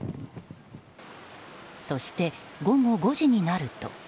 そして、午後５時になると。